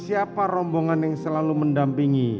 siapa rombongan yang selalu mendampingi